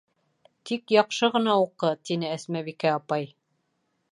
Тик яҡшы ғына уҡы, -тине Әсмәбикә апай.